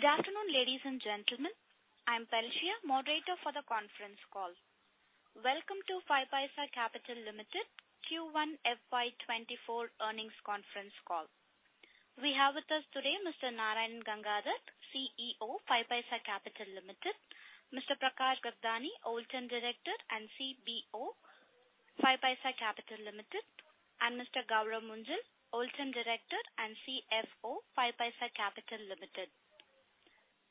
Good afternoon, ladies and gentlemen. I'm Felicia, moderator for the conference call. Welcome to 5paisa Capital Limited, Q1 FY24 earnings conference call. We have with us today Mr. Narayan Gangadhar, CEO, 5paisa Capital Limited; Mr. Prakarsh Gagdani, Whole Time Director and CBO, 5paisa Capital Limited; and Mr. Gourav Munjal, Whole Time Director and CFO, 5paisa Capital Limited.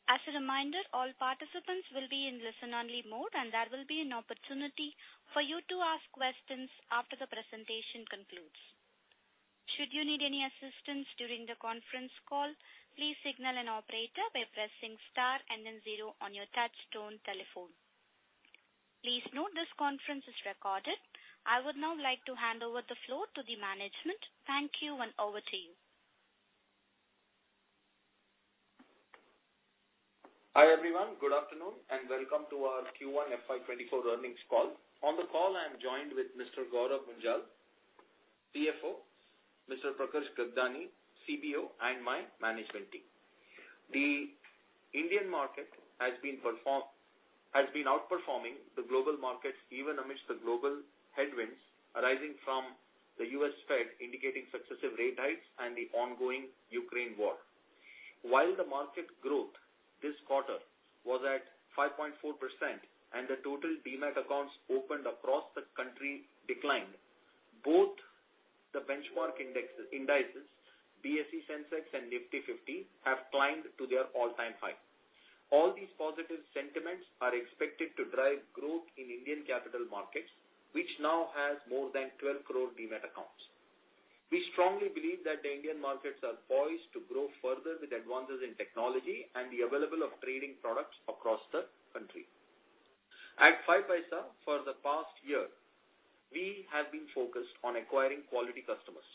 As a reminder, all participants will be in listen-only mode, and there will be an opportunity for you to ask questions after the presentation concludes. Should you need any assistance during the conference call, please signal an operator by pressing star and then 0 on your touchtone telephone. Please note, this conference is recorded. I would now like to hand over the floor to the management. Thank you, and over to you. Hi, everyone. Good afternoon, and welcome to our Q1 FY 2024 earnings call. On the call, I'm joined with Mr. Gourav Munjal, CFO, Mr. Prakarsh Gagdani, CBO, and my management team. The Indian market has been outperforming the global markets, even amidst the global headwinds arising from the U.S. Fed, indicating successive rate hikes and the ongoing Ukraine war. While the market growth this quarter was at 5.4% and the total Demat accounts opened across the country declined, both the benchmark indexes, indices, BSE SENSEX and Nifty 50, have climbed to their all-time high. All these positive sentiments are expected to drive growth in Indian capital markets, which now has more than 12 crore Demat accounts. We strongly believe that the Indian markets are poised to grow further with advances in technology and the availability of trading products across the country. At 5paisa, for the past year, we have been focused on acquiring quality customers.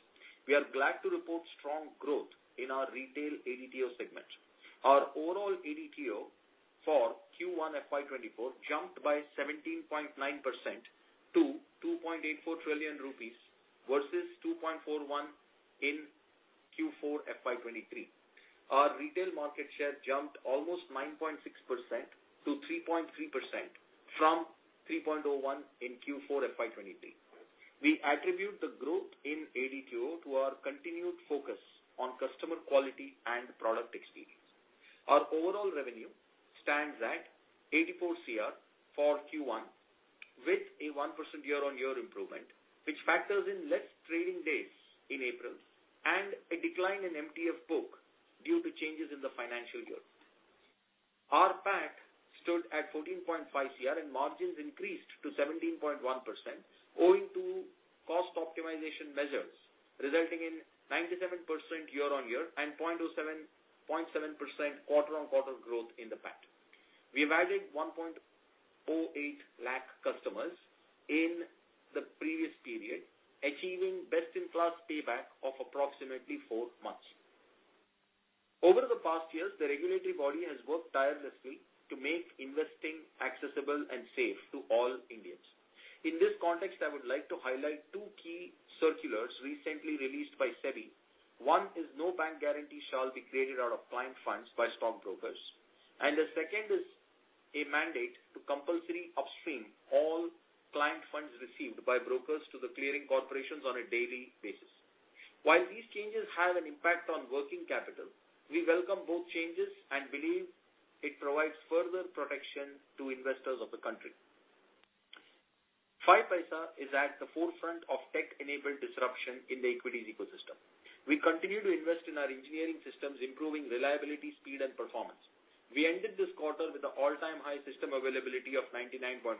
We are glad to report strong growth in our retail ADTO segment. Our overall ADTO for Q1 FY 2024 jumped by 17.9% to 2.84 trillion rupees, versus 2.41 trillion in Q4 FY 2023. Our retail market share jumped almost 9.6% to 3.3% from 3.01% in Q4 FY 2023. We attribute the growth in ADTO to our continued focus on customer quality and product experience. Our overall revenue stands at 84 crore for Q1, with a 1% year-on-year improvement, which factors in less trading days in April and a decline in MTF book due to changes in the financial year. Our PAT stood at 14.5 crore, and margins increased to 17.1%, owing to cost optimization measures, resulting in 97% year-on-year and 0.7% quarter-on-quarter growth in the PAT. We added 1.08 lakh customers in the previous period, achieving best-in-class payback of approximately four months. Over the past years, the regulatory body has worked tirelessly to make investing accessible and safe to all Indians. In this context, I would like to highlight two key circulars recently released by SEBI. One is no bank guarantee shall be created out of client funds by stockbrokers, and the second is a mandate to compulsory upstream all client funds received by brokers to the clearing corporations on a daily basis. While these changes have an impact on working capital, we welcome both changes and believe it provides further protection to investors of the country. 5paisa is at the forefront of tech-enabled disruption in the equities ecosystem. We continue to invest in our engineering systems, improving reliability, speed, and performance. We ended this quarter with an all-time high system availability of 99.4%.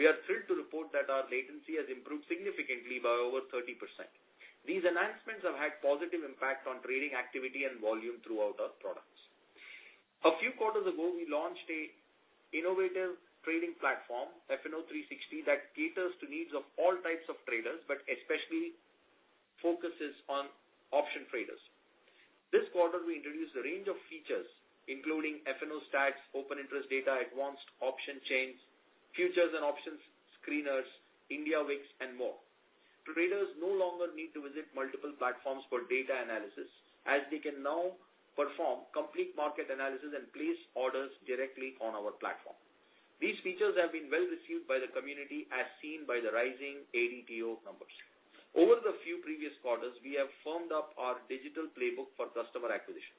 We are thrilled to report that our latency has improved significantly by over 30%. These enhancements have had positive impact on trading activity and volume throughout our products. A few quarters ago, we launched a innovative trading platform, FnO 360, that caters to needs of all types of traders, but especially focuses on option traders. This quarter, we introduced a range of features, including FnO Stats, open interest data, advanced option chains, futures and options, screeners, India VIX, and more. Traders no longer need to visit multiple platforms for data analysis, as they can now perform complete market analysis and place orders directly on our platform. These features have been well received by the community, as seen by the rising ADTO numbers. Over the few previous quarters, we have firmed up our digital playbook for customer acquisition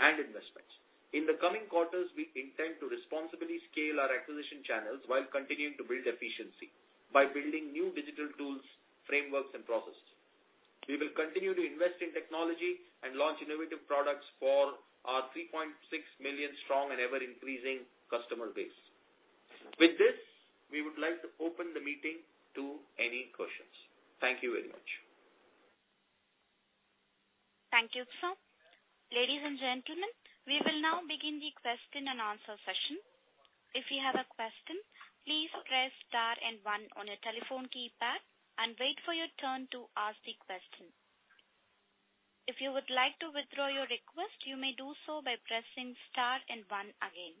and investments. In the coming quarters, we intend to responsibly scale our acquisition channels while continuing to build efficiency by building new digital tools, frameworks, and processes. We will continue to invest in technology and launch innovative products for our 3.6 million strong and ever-increasing customer base. With this, we would like to open the meeting to any questions. Thank you very much. Thank you, sir. Ladies and gentlemen, we will now begin the question-and-answer session. If you have a question, please press star and one on your telephone keypad and wait for your turn to ask the question. If you would like to withdraw your request, you may do so by pressing star and one again.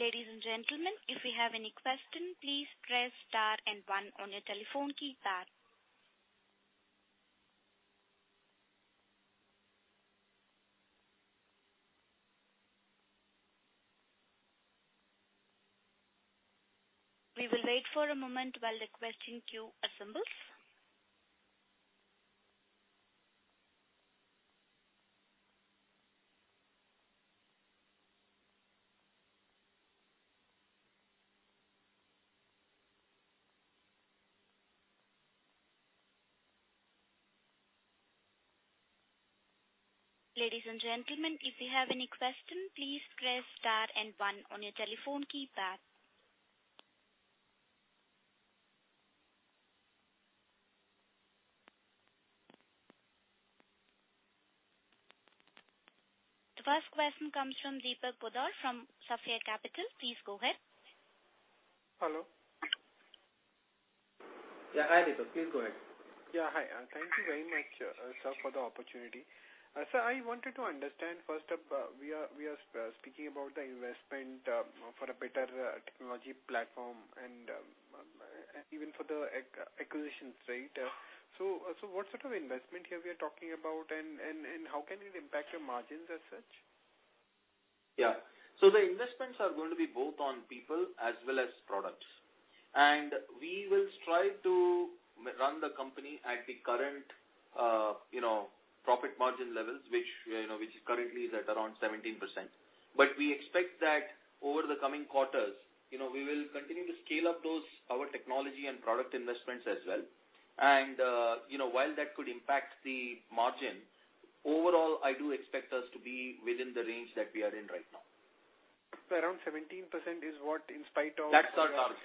Ladies and gentlemen, if you have any question, please press star and one on your telephone keypad. We will wait for a moment while the question queue assembles. Ladies and gentlemen, if you have any question, please press star and one on your telephone keypad. The first question comes from Deepak Poddar from Sapphire Capital. Please go ahead. Hello. Hi, Deepak. Please go ahead. Yeah. Hi, thank you very much, sir, for the opportunity. Sir, I wanted to understand, first up, we are speaking about the investment for a better technology platform and even for the acquisitions, right? What sort of investment here we are talking about and how can it impact your margins as such? The investments are going to be both on people as well as products. We will strive to run the company at the current profit margin levels, which is currently at around 17%. We expect that over the coming quarters we will continue to scale up those, our technology and product investments as well. While that could impact the margin, overall, I do expect us to be within the range that we are in right now. Around 17% is what, in spite of. That's our target.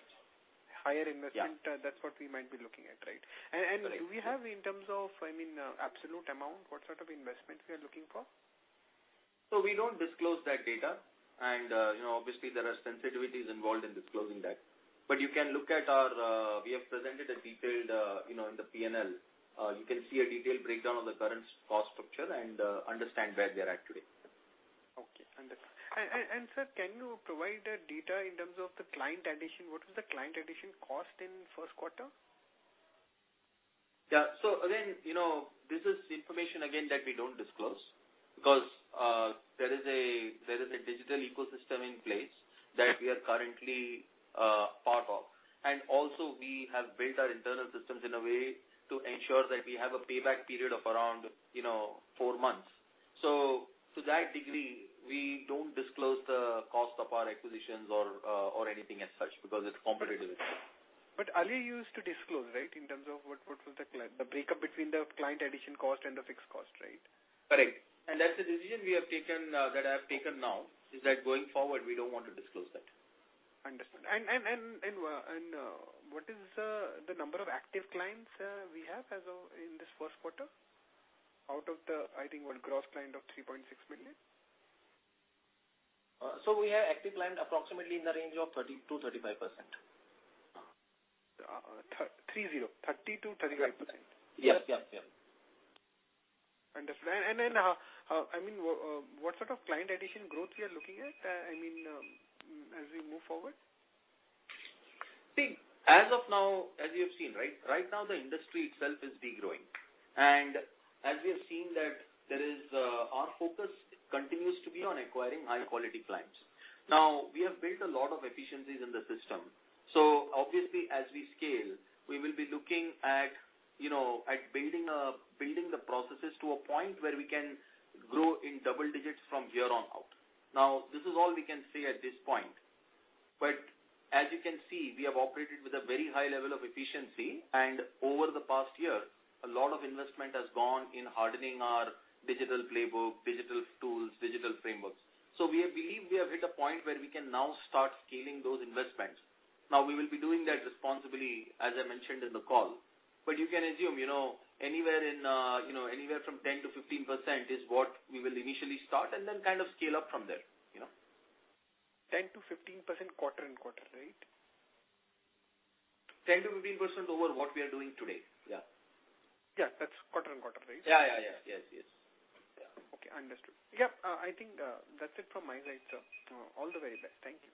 Higher investment- Yeah. that's what we might be looking at, right? Correct. We have in terms of, I mean, absolute amount, what sort of investment we are looking for? We don't disclose that data, and, you know, obviously, there are sensitivities involved in disclosing that. You can look at our. We have presented a detailed, you know, in the P&L. You can see a detailed breakdown of the current cost structure and, understand where we are at today. Okay, understood. Sir, can you provide the data in terms of the client addition? What is the client addition cost in first quarter? Yeah. Again this is information again that we don't disclose because, there is a digital ecosystem in place that we are currently part of. Also, we have built our internal systems in a way to ensure that we have a payback period of around, you know, four months. To that degree, we don't disclose the cost of our acquisitions or anything as such, because it's competitive. Earlier you used to disclose, right, in terms of what was the breakup between the client addition cost and the fixed cost, right? Correct. That's a decision we have taken, that I have taken now, is that going forward, we don't want to disclose that. Understood. What is the number of active clients we have as of in this first quarter? Out of the, I think, one gross client of 3.6 million. We have active client approximately in the range of 30%-35%. Three, zero, 30%-35%. Yes. Yep, yep. Understood. Then, I mean, what sort of client addition growth we are looking at, I mean, as we move forward? See, as of now, as you have seen, right now, the industry itself is degrowing. As we have seen that there is, our focus continues to be on acquiring high-quality clients. We have built a lot of efficiencies in the system. Obviously, as we scale, we will be looking at, you know, at building the processes to a point where we can grow in double digits from here on out. This is all we can say at this point. As you can see, we have operated with a very high level of efficiency, and over the past year, a lot of investment has gone in hardening our digital playbook, digital tools, digital frameworks. We have believed we have hit a point where we can now start scaling those investments. We will be doing that responsibly, as I mentioned in the call. You can assume, you know, anywhere in, you know, anywhere from 10%-15% is what we will initially start, and then kind of scale up from there, you know. 10%-15% quarter and quarter, right? 10%-15% over what we are doing today. Yeah. Yeah, that's quarter-over-quarter, right? Yeah, yeah. Yes, yes. Yeah. Okay, understood. Yeah, I think that's it from my side, sir. All the very best. Thank you.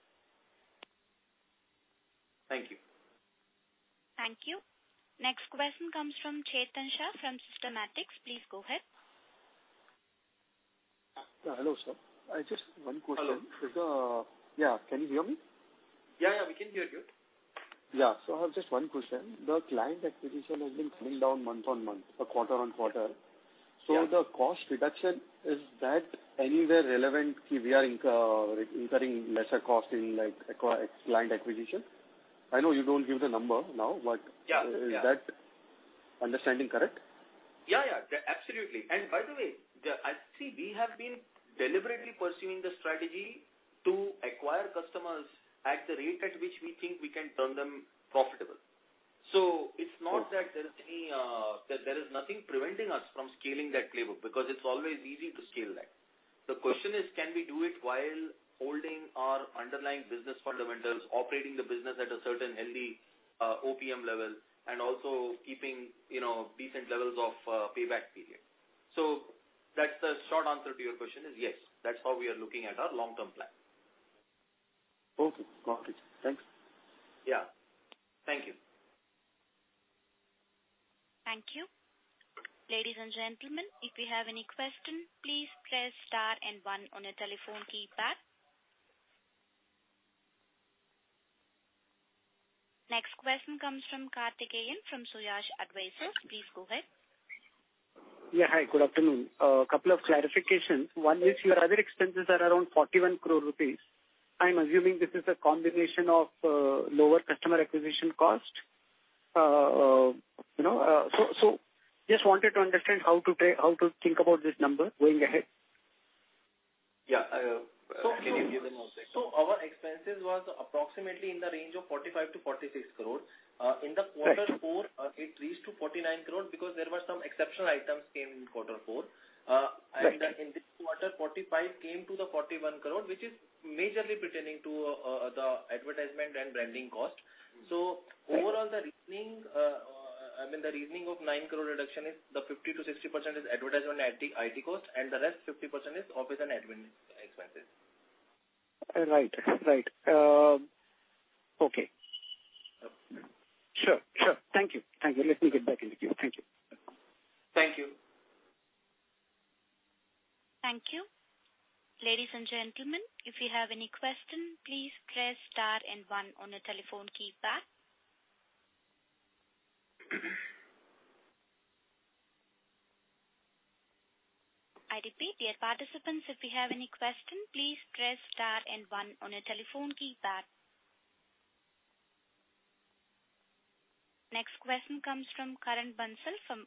Thank you. Thank you. Next question comes from Chetan Shah, from Systematix. Please go ahead. Yeah, hello, sir. I just have one question. Hello. Yeah, can you hear me? Yeah, yeah, we can hear you. Yeah. I have just one question. The client acquisition has been coming down month-on-month or quarter-on-quarter. Yeah. The cost reduction, is that anywhere relevant, we are incurring lesser cost in, like, client acquisition? I know you don't give the number now. Yeah, yeah. Is that understanding correct? Yeah, yeah, absolutely. By the way, I see we have been deliberately pursuing the strategy to acquire customers at the rate at which we think we can turn them profitable. It's not that there is any, that there is nothing preventing us from scaling that playbook, because it's always easy to scale that. The question is, can we do it while holding our underlying business fundamentals, operating the business at a certain healthy OPM level, and also keeping decent levels of payback period? That's the short answer to your question is yes, that's how we are looking at our long-term plan. Okay, got it. Thanks. Yeah. Thank you. Thank you. Ladies and gentlemen, if you have any question, please press star and one on your telephone keypad. Next question comes from Karthi Keyan, from Suyash Advisors. Please go ahead. Yeah, hi. Good afternoon. couple of clarifications. One is your other expenses are around 41 crore rupees. I'm assuming this is a combination of lower customer acquisition cost. you know, so just wanted to understand how to think about this number going ahead? Yeah, can you give them one second? Our expenses was approximately in the range of 45-46 crore in Q4. Right. It reached to 49 crores because there were some exceptional items came in Q4. Right. In this quarter, 45 came to the 41 crore, which is majorly pertaining to the advertisement and branding cost. Right. Overall, the reasoning, I mean, the reasoning of 9 crore reduction is the 50%-60% is advertised on IT cost, and the rest 50% is office and admin expenses. Right. Okay. Sure. Thank you. Let me get back with you. Thank you. Thank you. Thank you. Ladies and gentlemen, if you have any question, please press star and 1 on your telephone keypad. I repeat, dear participants, if you have any question, please press star and 1 on your telephone keypad. Next question comes from Karan Bansal, from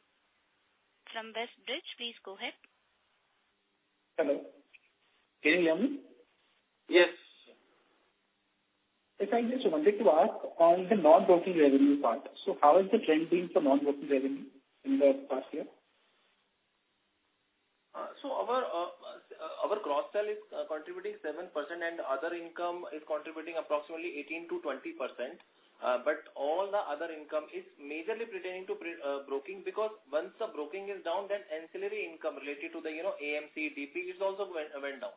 WestBridge Capital. Please go ahead. Hello. Karan Bansal? Yes. I just wanted to ask on the non-broking revenue part. How is the trend been for non-broking revenue in the past year? Our cross-sell is contributing 7%, and other income is contributing approximately 18%-20%. All the other income is majorly pertaining to pre-broking, because once the broking is down, then ancillary income related to the, you know, AMC, DP, it's also went down.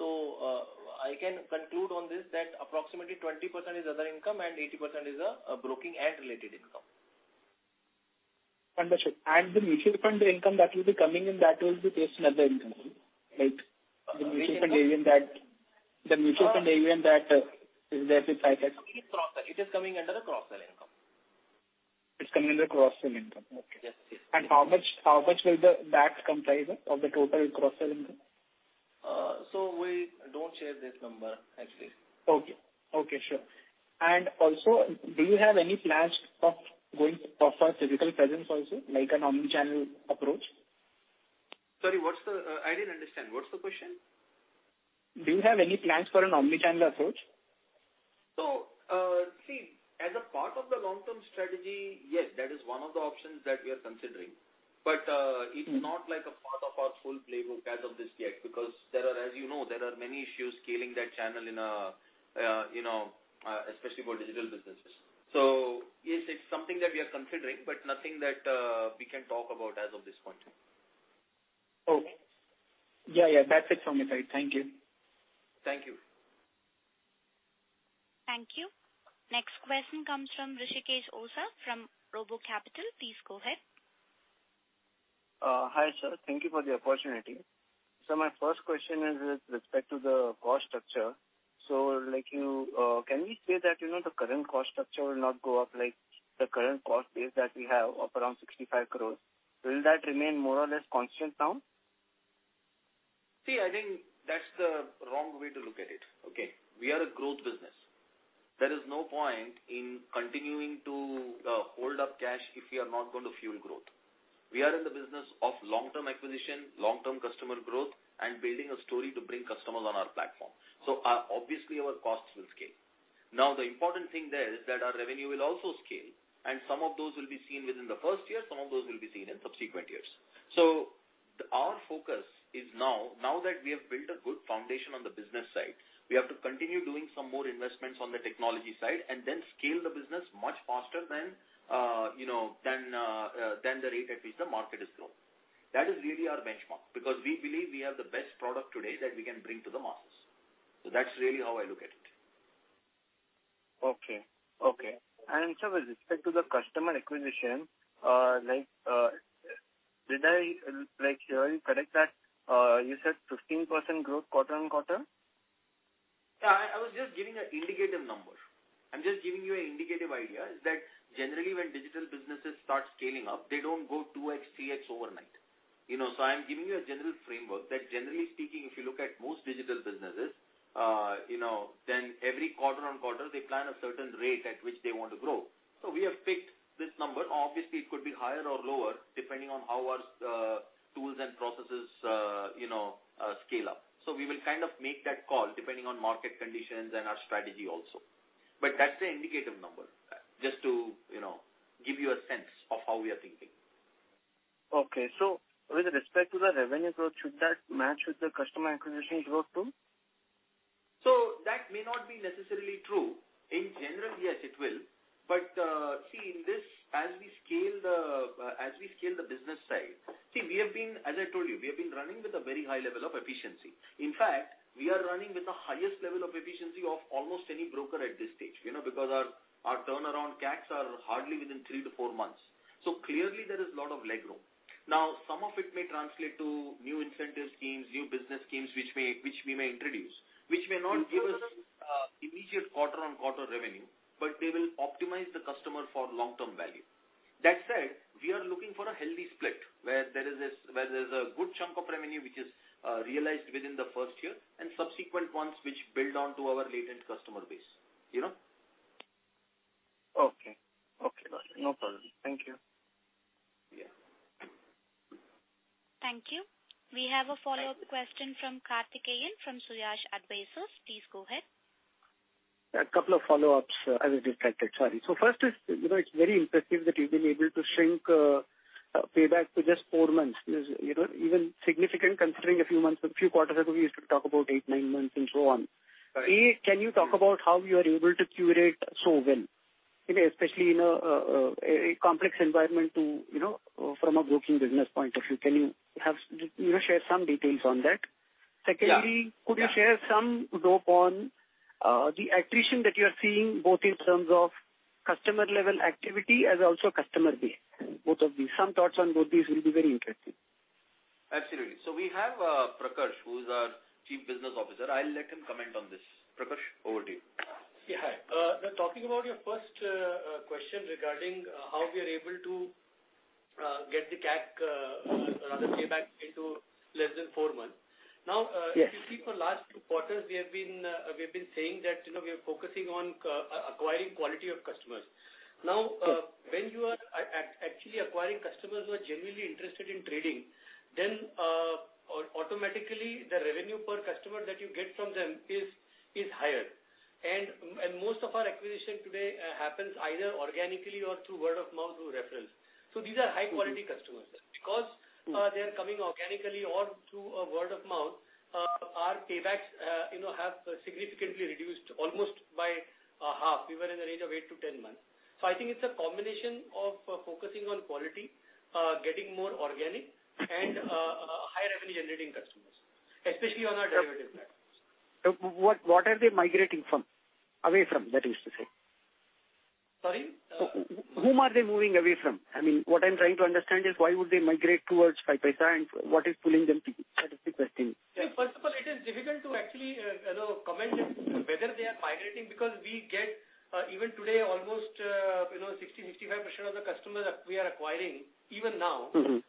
I can conclude on this that approximately 20% is other income and 80% is broking and related income. Understood. The mutual fund income that will be coming in, that will be placed in other income, right? The mutual fund area that is there with SIPs. It is coming under the cross-sell income. It's coming under the cross-sell income. Okay. Yes. How much will that comprise of the total cross-sell income? We don't share this number, actually. Okay. Okay, sure. Also, do you have any plans of going for physical presence also, like an omni-channel approach? I didn't understand. What's the question? Do you have any plans for an omni-channel approach? See, as a part of the long-term strategy, yes, that is one of the options that we are considering. Mm-hmm. It's not like a part of our full playbook as of this yet, because there are many issues scaling that channel in, especially for digital businesses. Yes, it's something that we are considering, but nothing that we can talk about as of this point in time. Okay. Yeah, yeah, that's it from my side. Thank you. Thank you. Thank you. Next question comes from Rishikesh Oza, from RoboCapital. Please go ahead. Hi, sir. Thank you for the opportunity. My first question is with respect to the cost structure. Like you, can we say that, you know, the current cost structure will not go up, like, the current cost base that we have of around 65 crores, will that remain more or less constant now? See, I think that's the wrong way to look at it, okay? We are a growth business. There is no point in continuing to hold up cash if we are not going to fuel growth. We are in the business of long-term acquisition, long-term customer growth, and building a story to bring customers on our platform. Obviously, our costs will scale. The important thing there is that our revenue will also scale, and some of those will be seen within the first year, some of those will be seen in subsequent years. Our focus is now that we have built a good foundation on the business side, we have to continue doing some more investments on the technology side and then scale the business much faster than, you know, than the rate at which the market is growing. That is really our benchmark, because we believe we have the best product today that we can bring to the masses. That's really how I look at it. Okay, okay. With respect to the customer acquisition, like, did I, like, hear you correct, that, you said 15% growth quarter-on-quarter? I was just giving an indicative number. I'm just giving you an indicative idea is that generally when digital businesses start scaling up, they don't go 2x, 3x overnight. You know, I'm giving you a general framework that generally speaking, if you look at most digital businesses, you know, then every quarter-on-quarter, they plan a certain rate at which they want to grow. We have picked this number. Obviously, it could be higher or lower, depending on how our tools and processes scale up. We will kind of make that call depending on market conditions and our strategy also. That's the indicative number, just to, you know, give you a sense of how we are thinking. Okay. With respect to the revenue growth, should that match with the customer acquisition growth, too? That may not be necessarily true. In general, yes, it will. In this, as we scale the business side, as I told you, we have been running with a very high level of efficiency. In fact, we are running with the highest level of efficiency of almost any broker at this stage, because our turnaround CACs are hardly within three to four months. Clearly, there is a lot of leg room. Now, some of it may translate to new incentive schemes, new business schemes, which we may introduce, which may not give us immediate quarter-on-quarter revenue, but they will optimize the customer for long-term value. That said, we are looking for a healthy split, where there's a good chunk of revenue which is realized within the first year, and subsequent ones which build on to our latent customer base, you know? Okay. Okay, got you. No problem. Thank you. Yeah. Thank you. We have a follow-up question from Karthi Keyan from Suyash Advisors. Please go ahead. A couple of follow-ups as I get started. Sorry. first is, you know, it's very impressive that you've been able to shrink payback to just four months. This, you know, even significant considering a few months, a few quarters ago, we used to talk about eight, nine months and so on. can you talk about how you are able to curate so well, especially in a complex environment to... You know, from a broking business point of view, can you share some details on that? Yeah. Secondly, could you share some dope on the attrition that you are seeing, both in terms of customer-level activity and also customer base? Both of these. Some thoughts on both these will be very interesting. Absolutely. We have, Prakarsh, who is our Chief Business Officer. I'll let him comment on this. Prakarsh, over to you. Yeah, hi. Talking about your first question regarding how we are able to get the CAC, the payback into less than four months. Yes. Now, if you see for last two quarters, we have been, we've been saying that, you know, we are focusing on acquiring quality of customers. Now, when you are actually acquiring customers who are genuinely interested in trading, then automatically, the revenue per customer that you get from them is higher. Most of our acquisition today happens either organically or through word-of-mouth or reference. These are high-quality customers. Because they are coming organically or through a word-of-mouth, our paybacks, you know, have significantly reduced almost by a half. We were in the range of eight to 10 months. I think it's a combination of focusing on quality, getting more organic, and high revenue-generating customers, especially on our derivative platforms. What, what are they migrating from? Away from, that is to say. Sorry? Whom are they moving away from? I mean, what I'm trying to understand is why would they migrate towards 5paisa, and what is pulling them to? That is the question. First of all, it is difficult to actually, you know, comment on whether they are migrating, because we get, even today, almost, you know, 60%, 65% of the customers that we are acquiring even now. Mm-hmm.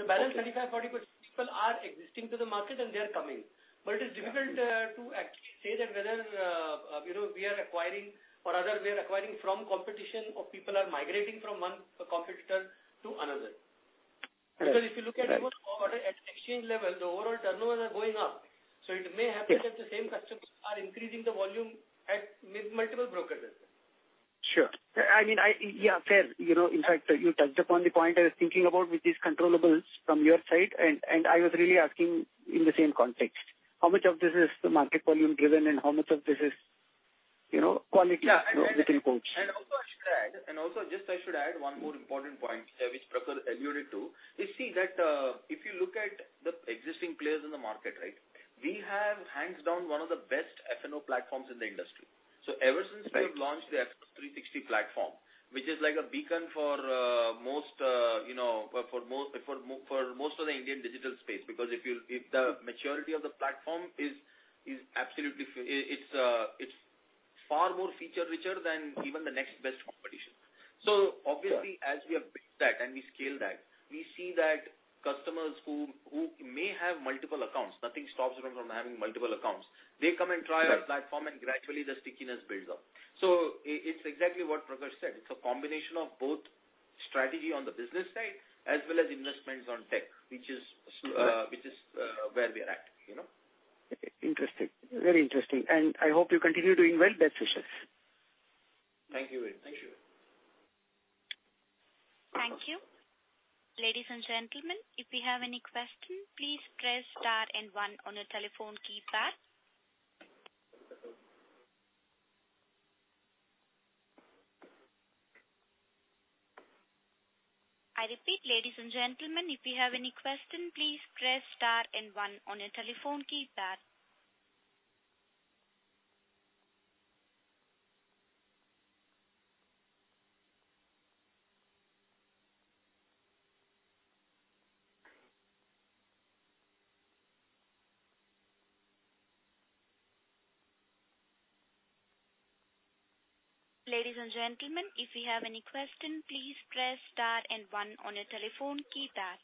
The balance 35%-40% people are existing to the market and they are coming. It is difficult to actually say that whether, you know, we are acquiring or rather, we are acquiring from competition or people are migrating from one competitor to another. Right. Because if you look at it at the exchange level, the overall turnover are going up. It may happen that the same customers are increasing the volume at multiple brokerages. Sure. I mean, Yeah, fair. In fact, you touched upon the point I was thinking about, which is controllables from your side, and I was really asking in the same context. How much of this is the market volume driven and how much of this is, you know, quality- Yeah. -approach? I should add one more important point, which Prakash alluded to, is see that, if you look at the existing players in the market, right? We have, hands down, one of the best FnO platforms in the industry. Right. Ever since we launched the FnO 360 platform, which is like a beacon for, you know, for most, for most of the Indian digital space, because if the maturity of the platform is absolutely. It's far more feature-richer than even the next best competition. Sure. Obviously, as we have built that and we scale that, we see that customers who may have multiple accounts, nothing stops them from having multiple accounts. Right. They come and try our platform, and gradually, the stickiness builds up. it's exactly what Prakash said. It's a combination of both strategy on the business side as well as investments on tech, which is, which is, where we are at, you know? Interesting. Very interesting. I hope you continue doing well. Best wishes. Thank you. Thank you. Thank you. Ladies and gentlemen, if you have any question, please press star and 1 on your telephone keypad. I repeat, ladies and gentlemen, if you have any question, please press star and 1 on your telephone keypad. Ladies and gentlemen, if you have any question, please press star and 1 on your telephone keypad.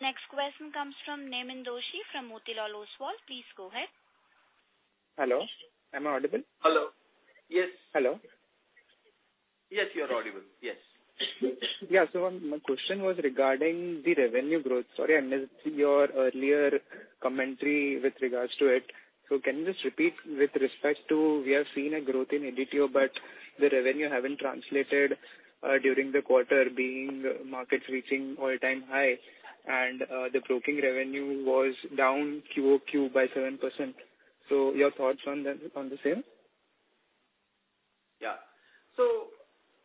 Next question comes from Neman Doshi, from Motilal Oswal. Please go ahead. Hello, am I audible? Hello. Yes. Hello. Yes, you are audible. Yes. Yeah. My question was regarding the revenue growth. Sorry, I missed your earlier commentary with regards to it. Can you just repeat with respect to we have seen a growth in ADTO, but the revenue haven't translated during the quarter, being markets reaching all-time high and the broking revenue was down QoQ by 7%. Your thoughts on the, on the same?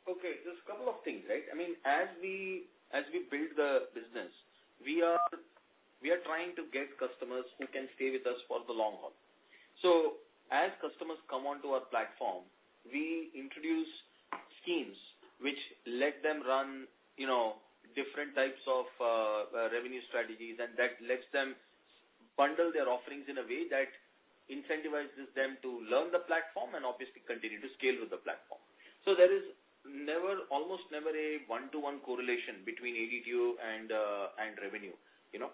Okay, there's a couple of things, right? I mean, as we build the business, we are trying to get customers who can stay with us for the long haul. As customers come onto our platform, we introduce schemes which let them run, you know, different types of revenue strategies, and that lets them bundle their offerings in a way that incentivizes them to learn the platform and obviously continue to scale with the platform. There is never, almost never a one-to-one correlation between ADTO and revenue, you know.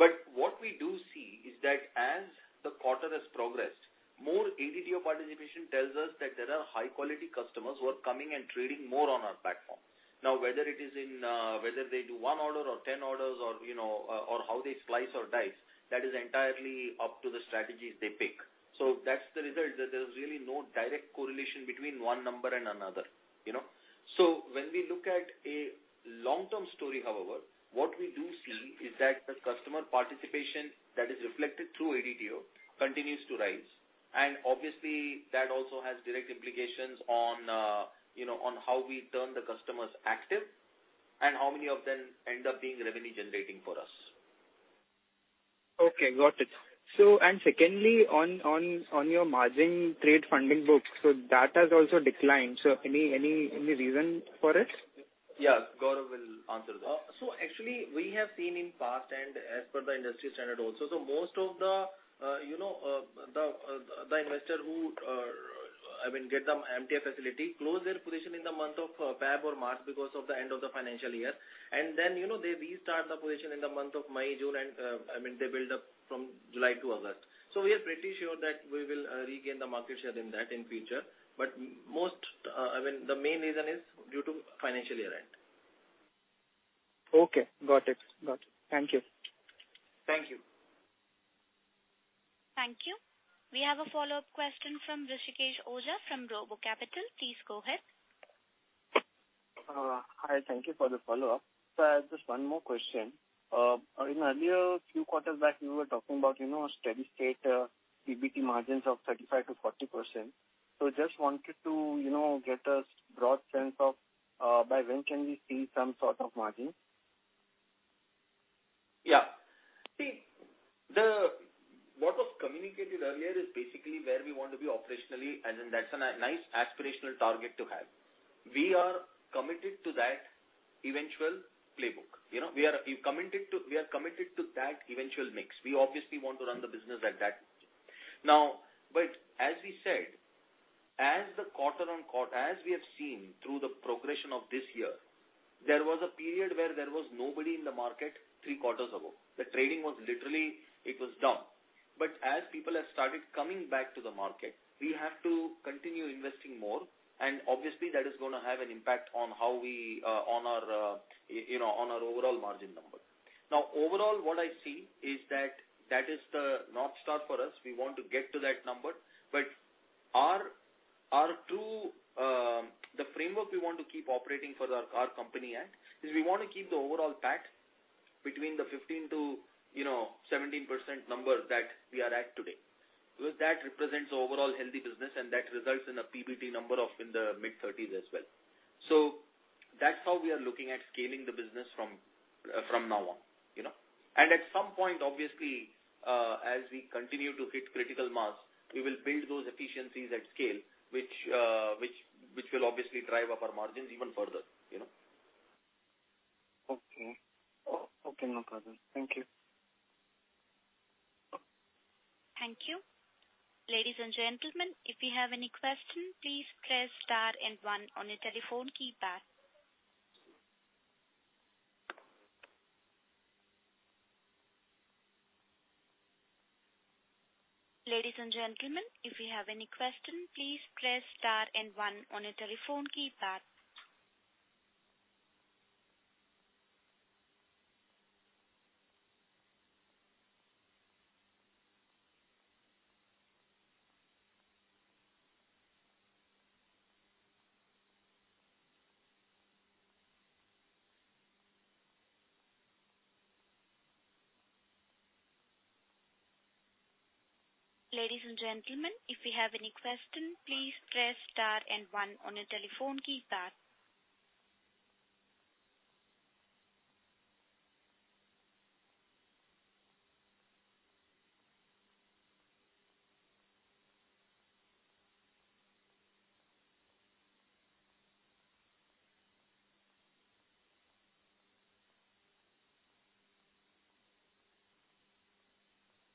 What we do see is that as the quarter has progressed, more ADTO participation tells us that there are high-quality customers who are coming and trading more on our platform. Now, whether it is in, whether they do one order or 10 orders or, you know, or how they slice or dice, that is entirely up to the strategies they pick. That's the result, that there's really no direct correlation between 1 number and another, you know. When we look at a long-term story, however, what we do see is that the customer participation that is reflected through ADTO continues to rise, and obviously, that also has direct implications on, you know, on how we turn the customers active and how many of them end up being revenue-generating for us. Okay, got it. And secondly, on your margin trade funding books, that has also declined. Any reason for it? Yeah. Gaurav will answer that. Actually, we have seen in past and as per the industry standard also, most of the, you know, the investor who, I mean, get the MTF facility, close their position in the month of February or March because of the end of the financial year. Then, you know, they restart the position in the month of May, June, and, I mean, they build up from July to August. We are pretty sure that we will regain the market share in that in future. Most, I mean, the main reason is due to financial year-end. Okay, got it. Got it. Thank you. Thank you. Thank you. We have a follow-up question from Rishikesh Oza from RoboCapital. Please go ahead. Hi, thank you for the follow-up. I have just one more question. In earlier few quarters back, you were talking about, you know, steady state, PBT margins of 35%-40%. Just wanted to, you know, get a broad sense of, by when can we see some sort of margin? Yeah. See, what was communicated earlier is basically where we want to be operationally, and then that's a nice aspirational target to have. We are committed to that eventual playbook. You know, we are committed to that eventual mix. We obviously want to run the business at that. Now, as we said, as the quarter-on-quarter, as we have seen through the progression of this year, there was a period where there was nobody in the market three quarters ago. The trading was literally, it was dumb. As people have started coming back to the market, we have to continue investing more, and obviously, that is going to have an impact on how we on our, you know, on our overall margin number. Now, overall, what I see is that that is the North Star for us. We want to get to that number. Our two, the framework we want to keep operating for our company at, is we want to keep the overall PAT between the 15%-17% number that we are at today. That represents overall healthy business, and that results in a PBT number of in the mid-30s as well. That's how we are looking at scaling the business from now on, you know. At some point, obviously, as we continue to hit critical mass, we will build those efficiencies at scale, which will obviously drive up our margins even further, you know. Okay. Okay, no problem. Thank you. Thank you. Ladies and gentlemen, if you have any question, please press star and 1 on your telephone keypad.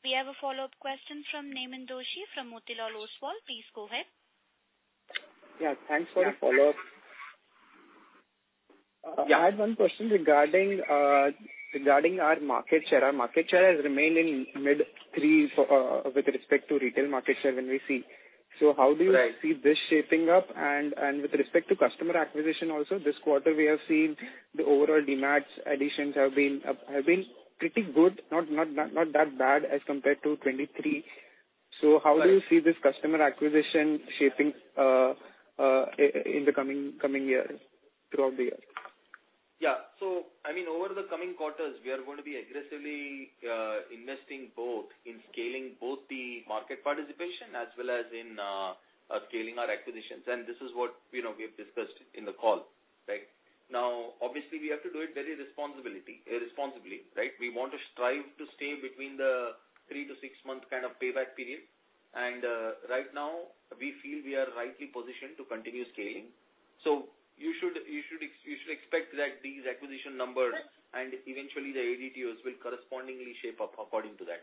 We have a follow-up question from Neman Doshi from Motilal Oswal. Please go ahead. Yeah, thanks for the follow-up. I had one question regarding our market share. Our market share has remained in mid-3% for, with respect to retail market share when we see. how do you... Right. -see this shaping up? With respect to customer acquisition also, this quarter, we have seen the overall Demat additions have been pretty good, not that bad as compared to 2023. Right. How do you see this customer acquisition shaping, in the coming years, throughout the year? Yeah. I mean, over the coming quarters, we are going to be aggressively investing both in scaling both the market participation as well as in scaling our acquisitions. This is what, you know, we have discussed in the call, right? Now, obviously, we have to do it very responsibly, right? We want to strive to stay between the 3 to 6-month kind of payback period. Right now, we feel we are rightly positioned to continue scaling. You should expect that these acquisition numbers- Right. Eventually the ADTOs will correspondingly shape up according to that.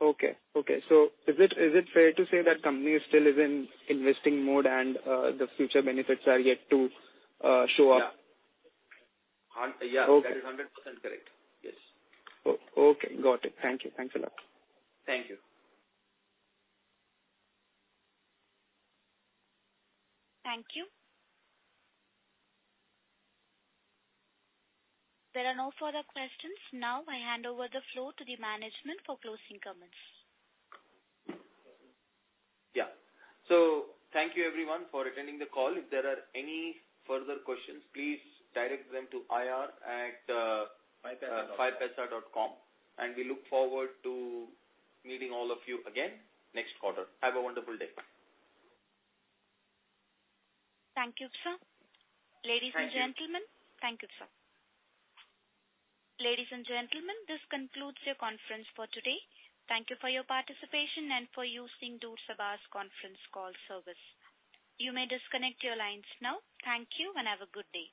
Okay, okay. Is it fair to say that company still is in investing mode and the future benefits are yet to show up? Yeah. Okay. That is 100% correct. Yes. Okay, got it. Thank you. Thanks a lot. Thank you. Thank you. There are no further questions. Now, I hand over the floor to the management for closing comments. Yeah. Thank you, everyone, for attending the call. If there are any further questions, please direct them to ir@5paisa.com. We look forward to meeting all of you again next quarter. Have a wonderful day. Thank you, sir. Thank you. Ladies and gentlemen... Thank you, sir. Ladies and gentlemen, this concludes your conference for today. Thank you for your participation and for using Door Sabha's conference call service. You may disconnect your lines now. Thank you, and have a good day.